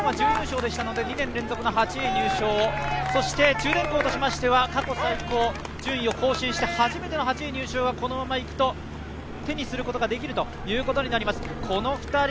７位のＳＵＢＡＲＵ、去年は準優勝でしたので、２年連続入賞中電工としましては過去最高の順位を更新して初めての８位入賞がこのままいくと手にすることができることになります。